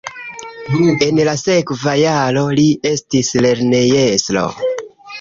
En la sekva jaro li estis lernejestro.